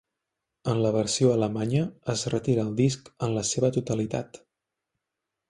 En la versió alemanya, es retira el disc en la seva totalitat.